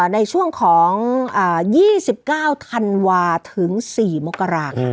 ในช่วงของ๒๙ธันวาถึง๔มกรา